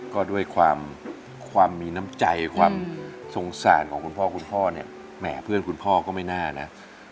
ก็ด้วยความความมีน้ำใจความสงสารของคุณพ่อคุณพ่อเนี่ยแหมเพื่อนคุณพ่อก็ไม่น่านะ